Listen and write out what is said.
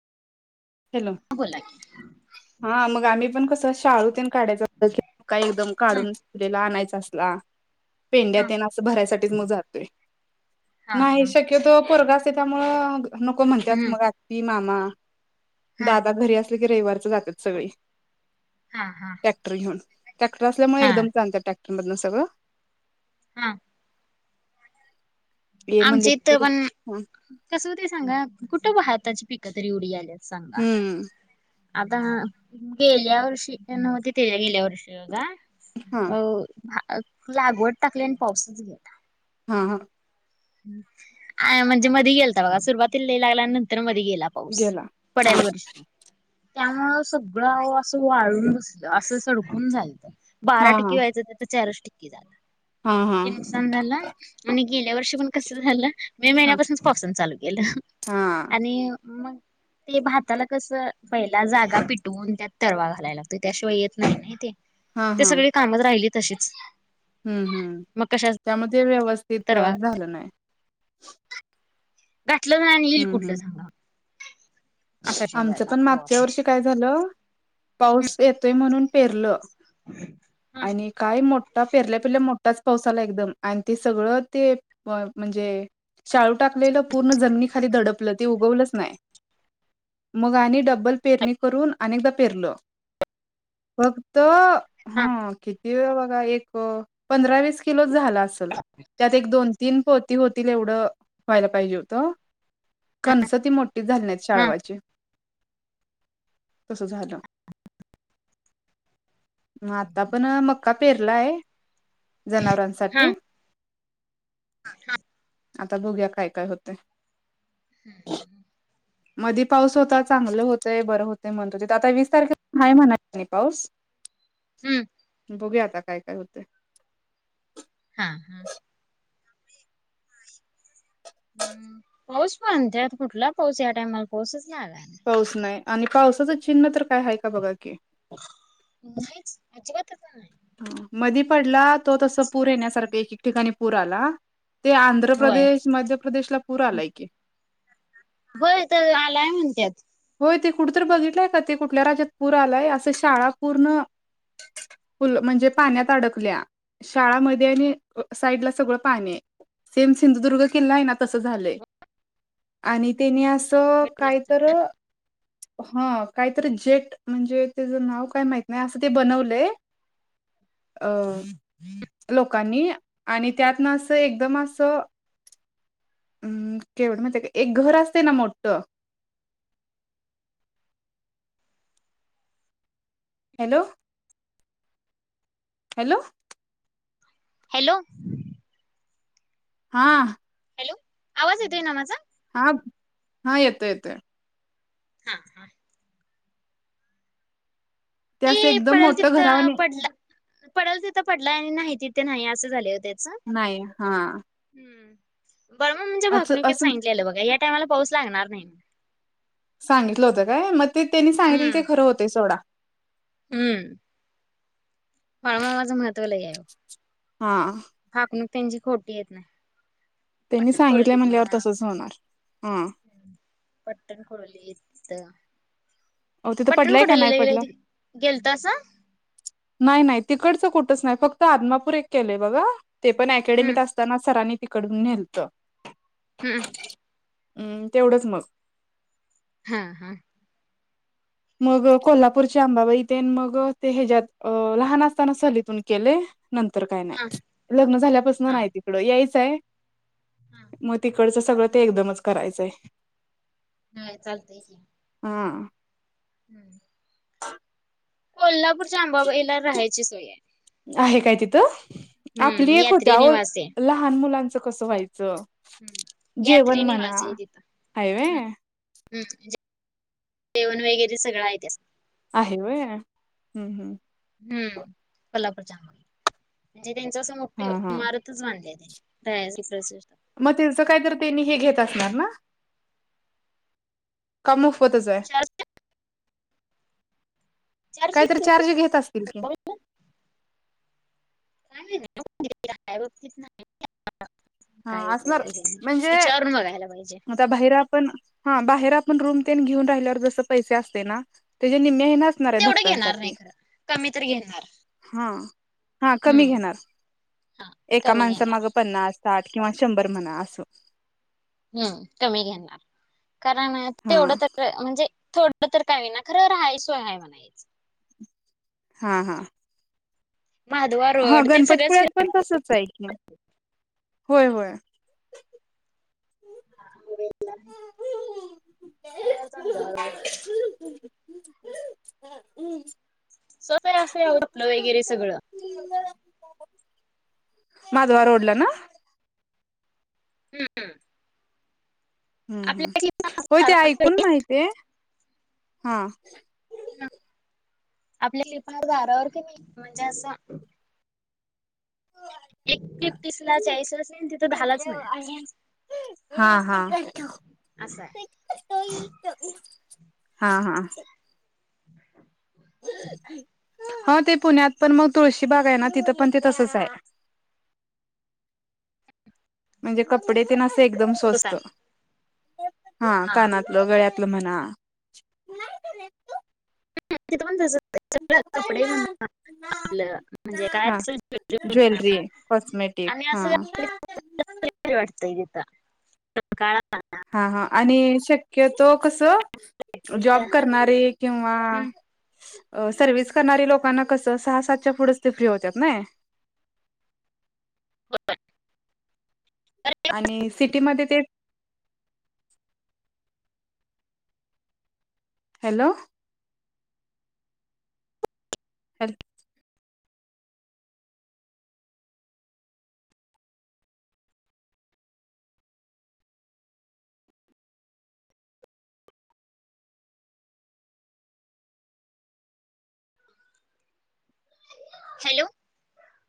Hello बोला की हा मग आम्ही पण कसं शाळू तेन काढायच त का एकदम हा काढून चलेला आणायचा असला. पेंड्या हा तेन असं भरायसाठीच मग जातोय हा नाही हा शक्यतो. पोरगं असतंय त्यामुळं नको म्हणत्यात हम्म मग आत्ती मामा. हा दादा घरी असले की रविवारच जातात सगळी हा हा ट्रॅक्टर घेऊन. ट्रॅक्टर असल्यामुळे हा एकदम आणता टॅक्टरमधन सगळ. हा ये आमच्या म्हणलीत इथ तर पण हं कस होत सांगा. कुठ बी हाताची पिक तरी ऐवडी यायल्या. सांगा हम्म आता गेल्या वर्षी नव्हती ते गेल्या वर्षी बघा. हा अ लागवड टाकली आणि पाऊसच गेला. हा हा आ म्हणजे मधी गेलता बघा. सुरुवातीला लई लागला अन नंतर मधी गेला. पाऊस गेला पडाले वर्षी त्यामुळ सगळ अहो अस वाळून, अस सडकून झालत. हा बारा हा टिक्की व्हायच, तर चारच टिक्की झाल. हा हा झाल, आणि गेल्या वर्षी पण कस झाल मे हा हा महिन्यापासून पाऊसान चालू केल. हा आणि मग ते भाताला कस पहिला जागा पिटवून त्यात तरवा घालायला लागतोय. त्याशिवाय येत नाही नाही ते. हा ते हा सगळी कामच राहिली तशीच. हम्म हम्म, मग कशा त्यामध्ये व्यवस्थित तरवा झाल नाही. घातल ना आणि येईल कुठल सांगा. असं आमच शिजायला पण तो मागच्या आपण वर्षी काय झाल पाऊस येतोय म्हणून पेरल. आणि काय मोठा, पेरल्या पेरल्या मोठाच पाऊस आला एकदम. आणि ते सगळ ते म्हणजे शाळू टाकलेल पूर्ण जमिनी खाली धडपल. ते उगवलच नाही. मग आनी डब्बल पेरणी करून अनेकदा पेरल. फक्त हा किती वेळ बघा, एक पंधरा, वीस किलोच झाल असल. त्यात एक दोन तीन पोती होतील एवढ व्हायला पाहिजे हो त. कणस ती मोठी झाली नाहीत हा शाळवाची. म्हणजे तस झाल. आता पण मक्का पेरलाय. जनावरांसाठी हा [unintelligible] आता बघुया काय काय होत. हम्म हम्म मधी पाऊस होता. चांगल होतय बर होतय म्हणत होते. ते आता वीस तारखेला म्हण पाऊस. हम्म बघुया आता काय काय होतय. हा हा हम्म, पाऊस पण त्यात कुठला पाऊस. या टाइमाला पाऊसच नाही आला. आणि पाऊस नाही. आणि पावसाच चिन्ह तर काय आहे का बघा की. नाहीच, अजिबातच नाही. मधी पडला तो तस पूर येण्यासारखा, एक एक ठिकाणी पूर आला. ते आंध्र होय प्रदेश, मध्य प्रदेशला पूर आलाय की. ब तर आलाय म्हणत्यात. होय ते कुठ तर बघितलय का? ते कुठल्या राज्यात पूर आलाय. अस शाळा पूर्ण फुल, म्हणजे पाण्यात अडकल्या. शाळामध्ये आणि साईडला सगळ पाणी आहे. सेम सिंधुदुर्ग किल्ला आहे ना तसं झालंय. आणि त्यानी असं भेटलासा कायतर, हा कायतरी जेट म्हणजे त्याचं नाव काय माहत नाही असं ते बनवलंय. अं लोकांनी आणि त्यातन असं एकदम असं हम्म केवढ माहितीय काय एक घर असतयना मोठं, हॅलो! हॅलो! हॅलो! हा हॅलो आवाज येतोय ना माझा? हा हा येतोय येतोय. हां हां ते असं एकदम पडल मोठं तिथं घरावानी पडलं, पडल तिथं पडला आणि नाही तिथे नाही असं झालय ओ त्याचं. नाही हां हम बाळू मामांच्या भाकणुकेत असं सांगितलेलं बघा या टायमाला पाऊस लागणार नाही. सांगितलं होतं काय म ते त्यांनी सांगितलेल हम्म ते खरं होतं सोडा. हम्म बाळूमामाचं महत्व लई. हां भाकणूक त्यांची खोटी येत नाही. त्यांनी पट्टण सांगितलय म्हणल्यावर तसंच होणार. हम्म पट्टणकडोलीत तिथं. तिथं पडलाय का नाही पडला पट्टणकडोलीला गेलतासा. नाही नाही तिकडच कुठच नाही फक्त आदमापूर एक केलंय बघा ते पण हम्म अकॅडमीत असताना. असताना सरांनी तिकडून नेलतं. हम्म हम्म तेवढंच मग हां मग कोल्हापूरची अंबाबाईतेन मग ते हच्यात लहान असताना सहलीतून केलेयं. नंतर काय हा नाही. लग्न झाल्यापासन हा नाही. कड यायचंय म तिकडचं सगळं ते एकदमच करायचंय. ह चालतंय की. हां [inaudible] [inaudible] कोल्हापूरच्या आंबाबाईला राहायची सोय हाय. आहे काय तिथं, आपली हम्म एक यात्री होत्या ओ ल निवास आहे. लहा लहान मुलांच कसं व्हायचं, हम्म. जेवण यात्री म्हणा निवास आहे तिथं. हाय व्हय‌. जेवण वगैरे सगळं आहे, त्या आहे व्हय हम्म हम्म हम्म कोल्हापूरच्या अंबाबाईला म्हणजे त्यांच अस हा हा मोठीइमारत, [inaudible] म त्याचं कायतरी त्यांनी हे घेत असणार ना? का मोफतच आहे? चारशे चारशे काहीतरी किती चार्ज घेत असतील की? अंबाबाई? [unintelligible] हा असणार [unintelligible] म्हणजे ईचारून बघायला पाहिजे. बाहेर आपण, हा. बाहेर आपण रूम तेन घेऊन राहिल्यावर जस पैसे असतय ना? त्याच्या निम्म्या ह्यान अस- -णाऱ्या तेवढं घेणार नाही भक्तांसाठी. खरं कमी तर घेणार हा. हा. कमी हम्म घेणार. हा एका कमी माणसा घेणार. माग पन्नास. साठ किंवा शंभर म्हणा अस. हम्म. कमी घेणार. कारण हा तेवढं तर- म्हणजे थोडं तर का होईना खरं राहाय सोय हाय म्हणायच. हां. हां. महादवा हा. रोड ते सगळंच गणपतीपुळ्याला पण तसच आहे की. होय होय. [inaudible] [inaudible] [unintelligible] आतलं वगैरे सगळं. माधवा रोडला ना? हम्म हम्म. हम्. हम. होय ते ऐकून माहितीए. हा. आपल्या [unintelligible] दारावर की नाही म्हणजे असा - [inaudible] एक क्लिप तीसला चाळीसला असली आणि तिथं दहालाच मिळेल हा. हा. असं आहे हा. हा. हं. ते पुण्यात पण मग तुळशी बाग आहे ना? तिथं पण ते तसंच आहे. म्हणजे कपडे ते न असं एकदम सोसा स्वस्त. हा. कानातलं गळ्यातलं म्हणा- तिथ पण [unintelligible] कपडे- आपलं म्हणजे काय हा असेल ज्वेलरी [unintelligible] कॉस्मेटिक. आणि असं हां. [unintelligible] हा. हा. आणि शक्यतो कस? जॉब करणारे किंवा- अ सर्व्हिस करणाऱ्या लोकांना कसं? सहा सातच्या फुढच ते फ्री होत्यात ना? आणि सिटीमध्ये ते- हॅलो. Hello - hello.